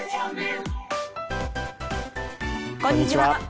こんにちは。